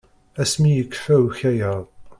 Asmi i yekfa ukayad.